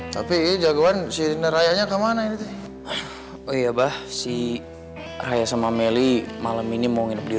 tapi jagoan si rina rayanya kemana ini oh iya bah si raya sama melly malam ini mau nginep di